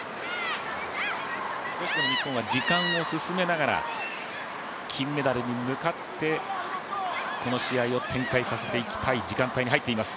日本は時間を進めながら金メダルに向かって、この試合を展開させていきたい時間帯に入っています。